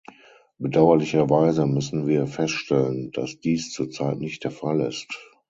Bedauerlicherweise müssen wir feststellen, dass dies zur Zeit nicht der Fall ist.